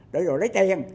để rồi lấy tiền